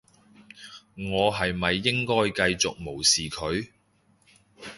我係咪應該繼續無視佢？